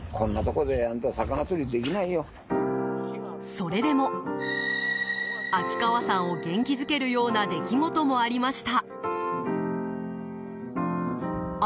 それでも、秋川さんを元気づけるような出来事もありました。